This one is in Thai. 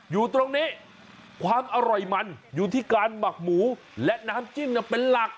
อยู่ตรงนี้ความอร่อยมันอยู่ที่การหมักหมูและน้ำจิ้มเป็นหลัก